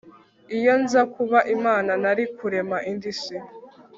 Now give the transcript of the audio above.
Iyo nza kuba Imana nari kurema indi isi